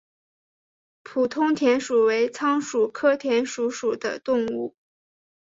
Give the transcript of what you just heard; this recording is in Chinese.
普通田鼠为仓鼠科田鼠属的动物。